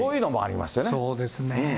そうですね。